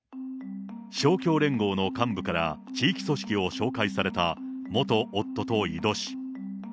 勝共連合の幹部から、地域組織を紹介された元夫と井戸氏。